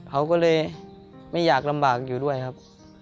เขาก็เลยไม่อยากลำบากอยู่ด้วยครับ